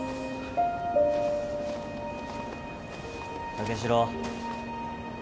武四郎。